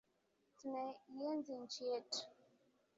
Tunaienzi nchi yetu.